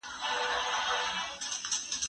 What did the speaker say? زه به اوږده موده مکتب ته تللي وم!؟